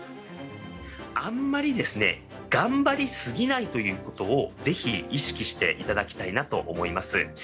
あんまり頑張りすぎないということを、ぜひ意識していただきたいなと思います。